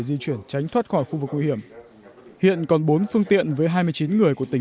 di chuyển tránh thoát khỏi khu vực nguy hiểm hiện còn bốn phương tiện với hai mươi chín người của tỉnh